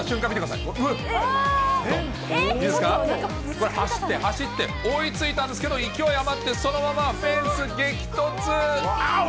いいですか、これ、走って、走って、追いついたんですけど、勢いあまってそのままフェンス激突。